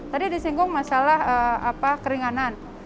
tadi disinggung masalah keringanan